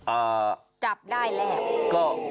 อ่าจับได้แรก